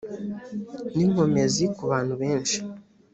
n inkomezi ku bantu benshi